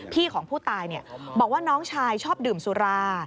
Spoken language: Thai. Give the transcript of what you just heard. พี่ของผู้ตายบอกว่าน้องชายชอบดื่มสุรา